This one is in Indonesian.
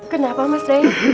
kenapa mas rey